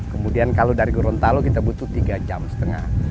kemudian kalau dari gorontalo kita butuh tiga jam setengah